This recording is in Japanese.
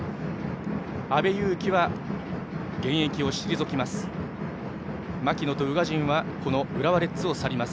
阿部勇樹は現役を退きます。